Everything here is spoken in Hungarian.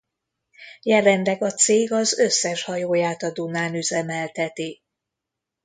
Jelenleg a cég az összes hajóját a Dunán üzemelteti.